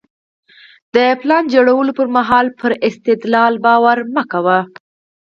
د پلان جوړولو پر مهال پر استدلال باور مه کوئ.